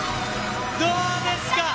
どうですか？